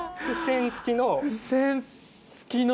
付箋付きの。